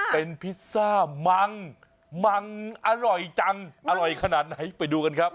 เป็นพิซซ่ามังมังอร่อยจังอร่อยขนาดไหนไปดูกันครับ